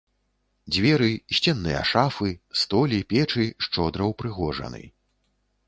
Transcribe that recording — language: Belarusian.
Дзверы, сценныя шафы, столі, печы шчодра ўпрыгожаны.